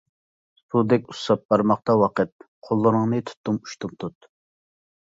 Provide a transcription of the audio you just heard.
سۇدەك ئۇسساپ بارماقتا ۋاقىت، قوللىرىڭنى تۇتتۇم ئۇشتۇمتۇت.